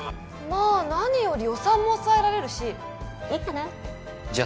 まあ何より予算も抑えられるしいいかなってじゃ